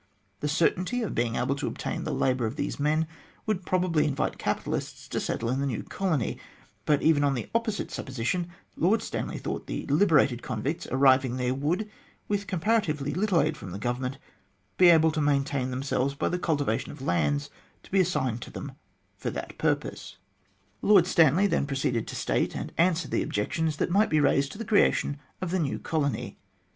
The certainty of being able to obtain the labour of these men would probably invite capitalists to settle in the new colony, but even on the opposite supposition, Lord Stanley thought the liberated convicts arriving there would, with compara tively little aid from the Government, be able to maintain themselves by the cultivation of lands to be assigned to them for that purpose. Lord Stanley then proceeded to state and answer the objections that might be raised to the creation of the new colony.